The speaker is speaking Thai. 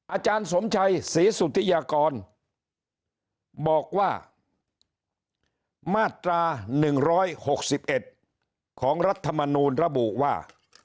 อาจารย์สมชัยศรีสุธิยากรบอกว่ามาตรา๑๖๑ของรัฐมนูลระบุว่า